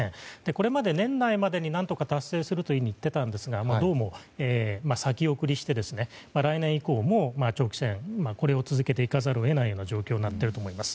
これまで年内までに何とか達成すると言ってたんですがどうも先送りして来年以降も長期戦を続けていかざるを得ない状況になっていると思います。